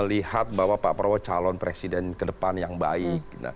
lihat bahwa pak prabowo calon presiden kedepan yang baik